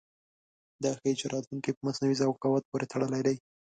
دا ښيي چې راتلونکی په مصنوعي ذکاوت پورې تړلی دی.